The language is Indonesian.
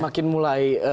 semakin mulai sama gitu ya